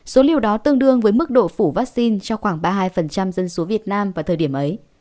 số liều đó tương đương với mức độ phủ vaccine cho khoảng ba mươi hai dân số việt nam vào thời điểm ấy